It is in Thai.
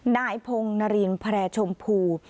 นายพงษ์นรีนแพรชมพู